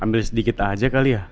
ambil sedikit aja kali ya